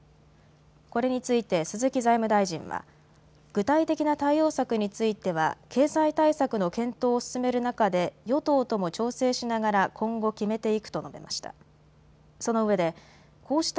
これについて鈴木財務大臣は具体的な対応策については経済対策の検討を進める中で与党とも調整しながら今後、決めていくと述べました。